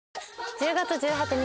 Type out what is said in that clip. １０月１８日